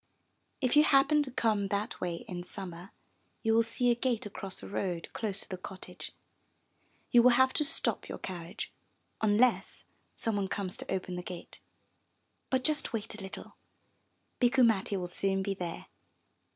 If you happen to come that way in Summer, you will see a gate across the road close to the cottage. You will have to stop your carriage, unless some one comes to open the gate. But just wait a little, Bikku Matti will soon be there.